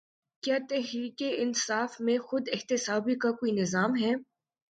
کیا تحریک انصاف میں خود احتسابی کا کوئی نظام ہے؟